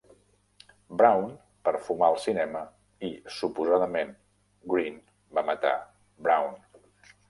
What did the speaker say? Brown per fumar al cinema, i suposadament Green va matar Brown.